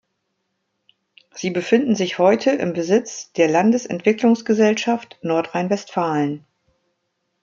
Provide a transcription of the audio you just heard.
Sie befinden sich heute im Besitz der Landesentwicklungsgesellschaft Nordrhein-Westfalen.